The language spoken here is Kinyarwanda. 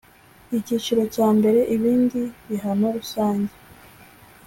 Icyiciro cya mbere Ibindi bihano rusange